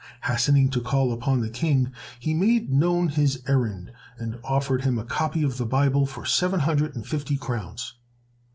Hastening to call upon the King, he made known his errand and offered him a copy of the Bible for seven hundred and fifty crowns!